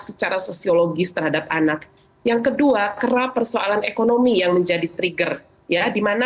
secara sosiologis terhadap anak yang kedua kerap persoalan ekonomi yang menjadi trigger ya dimana